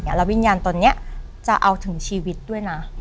แล้ววิญญาณตอนนี้จะเอาถึงชีวิตด้วยนะ